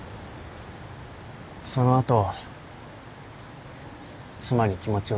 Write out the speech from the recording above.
その後妻に気持ちを伝えた。